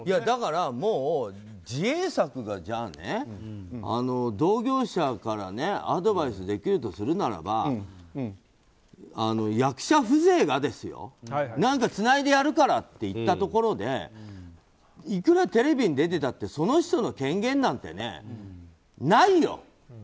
だから、もう自衛策が同業者からアドバイスするならば役者風情がですよ何かつないでやるからって言ったところでいくらテレビに出てたってその人の権限なんてないよ。